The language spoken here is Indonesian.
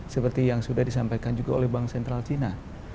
seperti yang sudah disampaikan juga oleh bank sentral cina